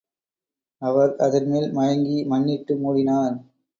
அவர் அதன்மேல் மயங்கி மண்ணிட்டு மூடினார்.